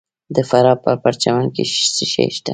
د فراه په پرچمن کې څه شی شته؟